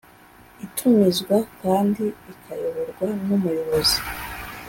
Itumizwa kandi ikayoborwa n’umuyobozi